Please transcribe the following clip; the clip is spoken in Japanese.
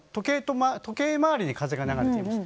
時計回りに風が流れています。